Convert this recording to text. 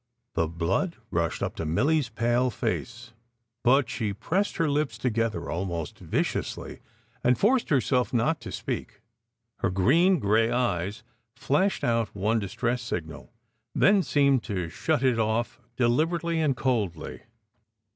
The blood rushed up to Milly s pale face, but she pressed her lips together almost viciously, and forced herself not to speak. Her green gray eyes flashed out one distress signal, then seemed to shut it off deliberately and coldly.